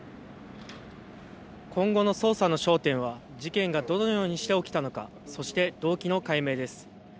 今後の捜査の焦点は事件がどのようにして起きたのか、そして動機の解明です。